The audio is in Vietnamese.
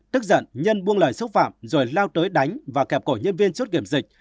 tức giận nhân buông lời xúc phạm rồi lao tới đánh và kẹp cổ nhân viên chốt kiểm dịch